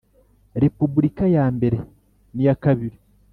Repubulika ya mbere n iya kabiri